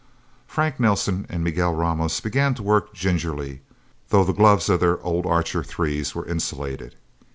Frank Nelsen and Miguel Ramos began to work gingerly, though the gloves of their old Archer Threes were insulated.